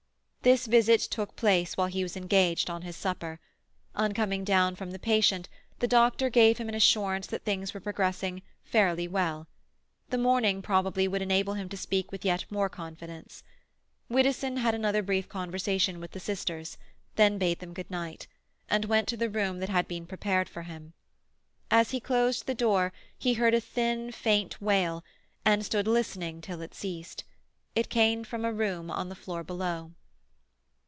This visit took place while he was engaged on his supper. On coming down from the patient the doctor gave him an assurance that things were progressing "fairly well"; the morning, probably, would enable him to speak with yet more confidence. Widdowson had another brief conversation with the sisters, then bade them good night, and went to the room that had been prepared for him. As he closed the door he heard a thin, faint wail, and stood listening until it ceased; it came from a room on the floor below.